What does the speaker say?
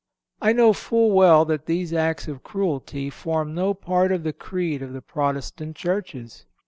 I know full well that these acts of cruelty form no part of the creed of the Protestant churches.